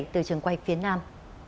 từ trường quay phía nam